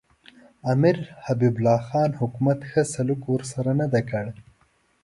امیر حبیب الله خان حکومت ښه سلوک ورسره نه دی کړی.